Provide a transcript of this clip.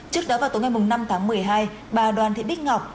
trước đó vào tối ngày năm tháng một mươi hai bà đoàn thị bích ngọc